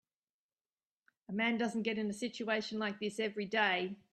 A man doesn't get in a situation like this every day.